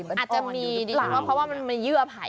อาจจะมีดีกว่าเพราะว่ามันมีเยื่อไผ่